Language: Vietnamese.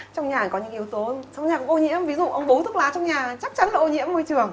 trong nhà có những yếu tố trong nhà có ô nhiễm ví dụ ông bố thức lá trong nhà chắc chắn là ô nhiễm môi trường